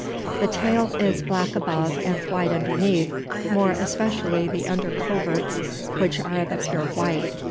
The tail is black above and white underneath more especially the under coverts, which are of a pure white.